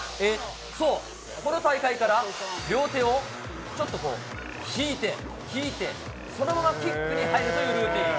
そう、この大会から両手をちょっとこう引いて、引いて、そのままキックに入るというルーティン。